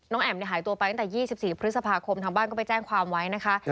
แอ๋มหายตัวไปตั้งแต่๒๔พฤษภาคมทางบ้านก็ไปแจ้งความไว้นะคะ